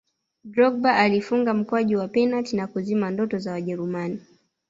drogba alifunga mkwaju wa penati na kuzima ndoto za wajerumani